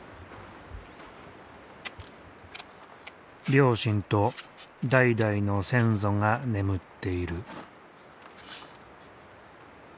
両親と代々の先祖が眠っている。